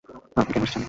আপনি কেন এসেছেন?